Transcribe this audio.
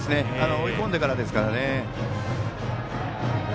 追い込んでからですからね。